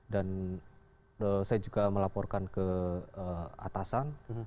dan eh saya juga melaporkan ke eh atasan